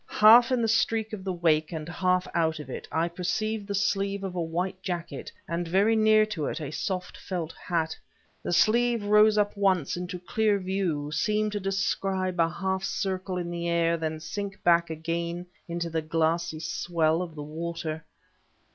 Half in the streak of the wake and half out of it, I perceived the sleeve of a white jacket, and, near to it, a soft felt hat. The sleeve rose up once into clear view, seemed to describe a half circle in the air then sink back again into the glassy swell of the water.